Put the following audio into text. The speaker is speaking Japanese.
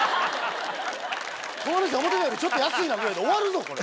この店思うてたよりちょっと安いなぐらいで終わるぞこれ。